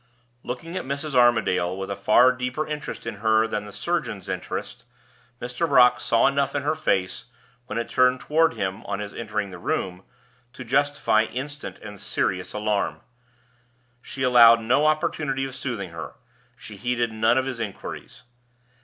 Looking at Mrs. Armadale with a far deeper interest in her than the surgeon's interest, Mr. Brock saw enough in her face, when it turned toward him on his entering the room, to justify instant and serious alarm. She allowed him no opportunity of soothing her; she heeded none of his inquiries.